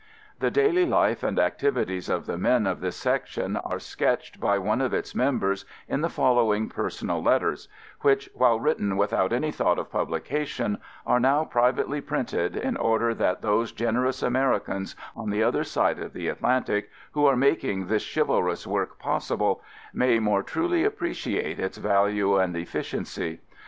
The daily life and activities of the men of this section are sketched by one of its members in the following personal let ters, which — while written without any thought of publication — are now pri vately printed in order that those gener ous Americans on the other side of the Atlantic who are making this chivalrous work possible may more truly appreciate its value and efficiency.